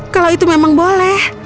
kalau itu memang boleh